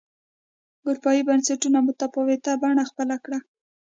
اروپايي بنسټونو متفاوته بڼه خپله کړه.